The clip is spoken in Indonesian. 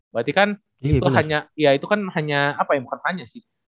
berarti kan itu kan hanya apa ya bukan hanya sih